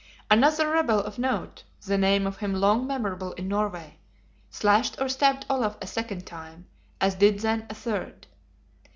Another rebel of note (the name of him long memorable in Norway) slashed or stabbed Olaf a second time, as did then a third.